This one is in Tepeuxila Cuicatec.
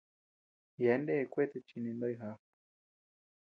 Yeabean ndea kueta chini ndoyo jaa.